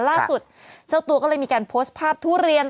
ล่าสุดเจ้าตัวก็เลยมีการโพสต์ภาพทุเรียน